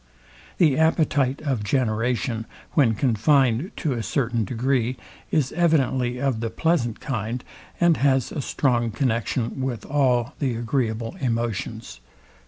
The appetite of generation, when confined to a certain degree, is evidently of the pleasant kind, and has a strong connexion with, all the agreeable emotions.